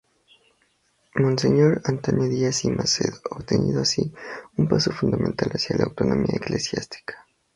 Monseñor Antonio Díaz y Macedo, obteniendo así, un paso fundamental hacia la autonomía eclesiástica.